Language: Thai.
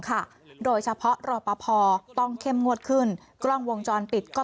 ค่ะโดยเฉพาะรอปภต้องเข้มงวดขึ้นกล้องวงจรปิดก็